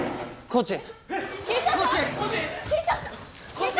コーチ！